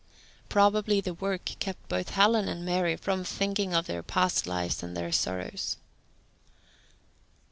Probably the work kept both Helen and Mary from thinking of their past lives and their sorrows.